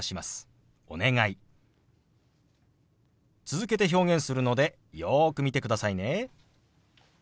続けて表現するのでよく見てくださいね。